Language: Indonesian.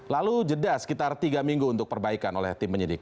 lalu jeda sekitar tiga minggu untuk perbaikan oleh tim penyidik